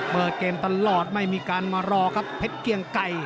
เปิดเกมตลอดไม่มีการมารอครับเพชรเกียงไก่